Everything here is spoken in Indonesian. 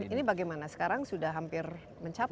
ini bagaimana sekarang sudah hampir mencapai